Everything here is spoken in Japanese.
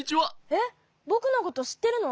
えっぼくのことしってるの？